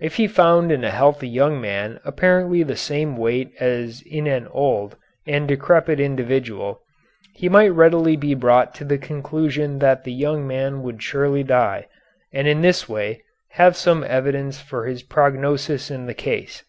If he found in a healthy young man apparently the same weight as in an old and decrepit individual, he might readily be brought to the conclusion that the young man would surely die, and in this way have some evidence for his prognosis in the case.